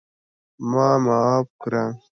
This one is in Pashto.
ما معاف کړه!